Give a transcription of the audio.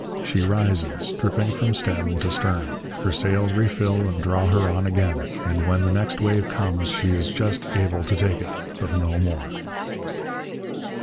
She rises, dripping from stem to stern. Her sails refill and draw her on again. And when the next wave comes she is just able to take it but no more.